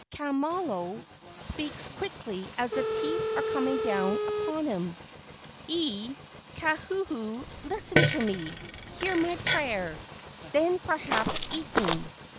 Kamalo speaks quickly as the teeth are coming down upon him. "E Kauhuhu, listen to me. Hear my prayer. Then perhaps eat me."